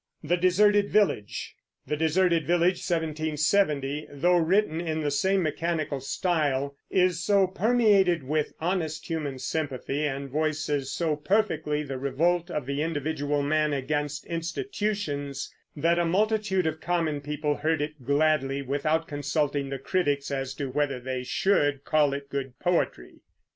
The Deserted Village (1770), though written in the same mechanical style, is so permeated with honest human sympathy, and voices so perfectly the revolt of the individual man against institutions, that a multitude of common people heard it gladly, without consulting the critics as to whether they should call it good poetry.